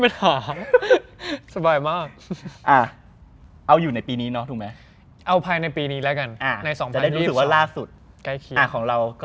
ทีมงานใส่หัวกันเลย